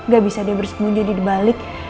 gak bisa dia bersembunyi di balik